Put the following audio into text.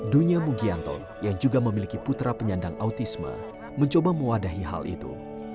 dunia mugianto yang juga memiliki putra penyandang autisme mencoba mewadahi hal itu